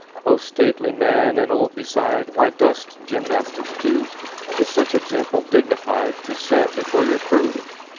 "Oh stately man and old beside, Why dost gymnastics do? Is such example dignified To set before your crew?"